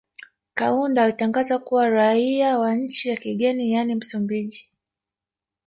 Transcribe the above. Kaunda alitangazwa kuwa raia wa nchi ya kigeni yaani Msumbiji